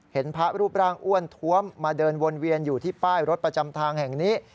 เห็นพระรูปร่างอ้วนท้วมมาเดินวนเวียนอยู่ที่ป้ายรถประจำทางแห่งนี้